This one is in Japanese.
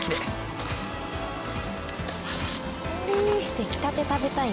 出来たて食べたいな。